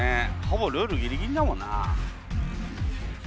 ほぼルールギリギリだもんなあ。